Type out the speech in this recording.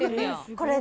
これ。